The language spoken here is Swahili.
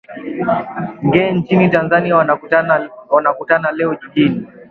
nge nchini tanzania wanakutana leo jijini